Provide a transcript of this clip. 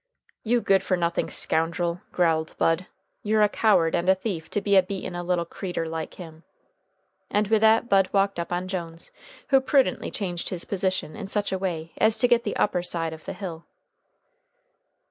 "You good for nothing scoundrel," growled Bud, "you're a coward and a thief to be a beatin' a little creetur like him!" and with that Bud walked up on Jones, who prudently changed position in such a way as to get the upper side of the hill.